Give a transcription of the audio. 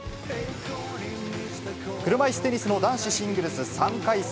車いすテニスの男子シングルス３回戦。